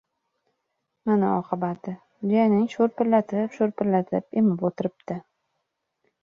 Mana oqibati, jiyaning sho‘rpillatib-sho‘rpillatib emib o‘tiribdi…